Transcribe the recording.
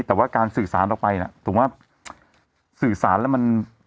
แต่ว่าการสื่อสารออกไปน่ะถูกว่าสื่อสารแล้วมัน